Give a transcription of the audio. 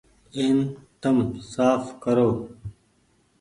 اين تم ساڦ ڪرو۔